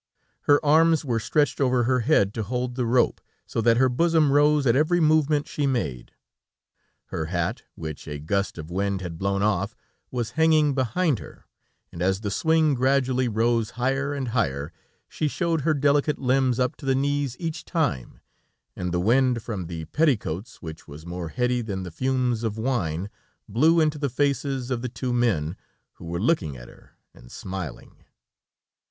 Her arms were stretched over her head to hold the rope, so that her bosom rose at every movement she made. Her hat, which a gust of wind had blown off, was hanging behind her, and as the swing gradually rose higher and higher, she showed her delicate limbs up to the knees each time, and the wind from the petticoats, which was more heady than the fumes of wine, blew into the faces of the two men, who were looking at her and smiling.